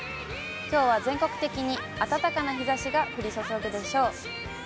きょうは全国的に暖かな日ざしが降り注ぐでしょう。